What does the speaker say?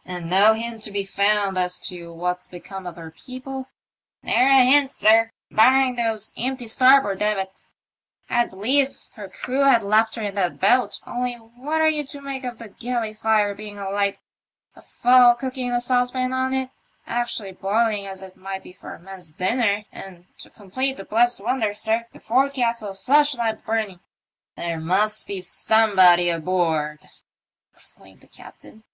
" And no hint to be found as to what's become of her people ?"Ne'er a hint, sir, barring those empty starboard davits. I'd believe her crew had left her in that boat, only what are you to make of the galley fire being alight, a fowl cooking in a saucepan on it — actually boiling as it might be for a man's dinner — and to complete the blessed wonder, sir, the forecastle slush lamp burning !"" There must be somebody aboard," exclaimed the captain.